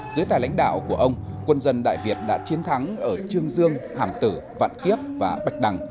dưới tài lãnh đạo của ông quân dân đại việt đã chiến thắng ở trương dương hàm tử vạn kiếp và bạch đằng